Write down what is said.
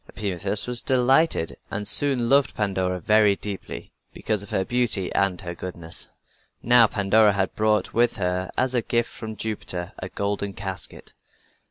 Epimetheus was delighted and soon loved Pandora very deeply, because of her beauty and her goodness. Now Pandora had brought with her as a gift from Jupiter a golden casket.